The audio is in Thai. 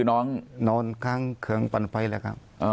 นอนคล้างเปิดไฟแหละครับ